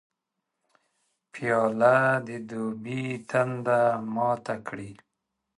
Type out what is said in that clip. پیاله د دوبي تنده ماته کړي.